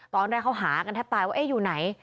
ตอนแรกเขาหากันแทบตายว่าเอ๊ะอยู่ไหน